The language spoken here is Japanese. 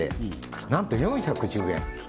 なんと４１０円